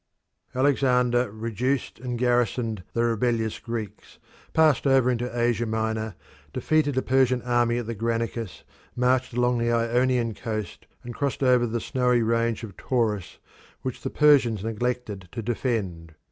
Alexander reduced and garrisoned the rebellious Greeks, passed over into Asia Minor, defeated a Persian army at the Granicus, marched along the Ionian coast, and crossed over the snowy range of Taurus, which the Persians neglected to defend.